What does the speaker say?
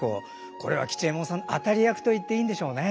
これは吉右衛門さん当たり役と言っていいんでしょうね。